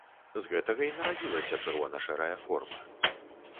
З гэтага і нарадзілася чырвона-шэрая форма.